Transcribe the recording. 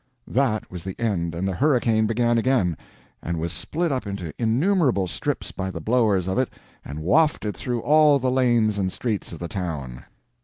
That was the end, and the hurricane began again, and was split up into innumerable strips by the blowers of it and wafted through all the lanes and streets of the town.